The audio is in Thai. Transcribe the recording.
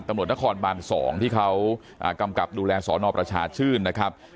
ตำรวจนครบาน๒ที่เขากำกับดูแลสอนอประชาชื่นนะครับ